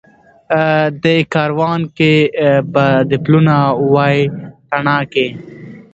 دې کاروان کي به دي پلونه وای تڼاکي